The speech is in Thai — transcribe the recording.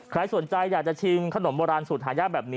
ใครสนใจอยากจะชิมขนมโบราณสูตรหายากแบบนี้